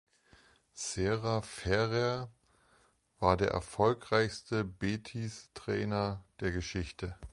Serra Ferrer war der erfolgreichste Betis-Trainer der Geschichte.